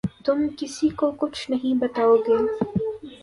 تم کسی کو کچھ نہیں بتاؤ گے